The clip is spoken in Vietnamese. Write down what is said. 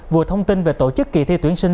vừa thông tin về tổ chức kỳ thi tuyển sinh